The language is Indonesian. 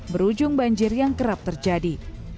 berujung banjir yang kerap terjadi